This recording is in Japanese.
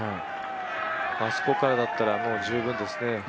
あそこからだったら十分ですね。